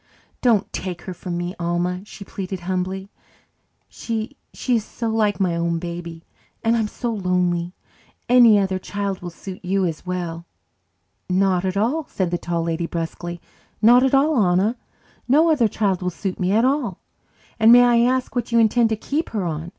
"Don't take her from me, Alma," she pleaded humbly. "She she is so like my own baby and I'm so lonely. Any other child will suit you as well." "Not at all," said the Tall Lady brusquely. "Not at all, Anna. No other child will suit me at all. And may I ask what you intend to keep her on?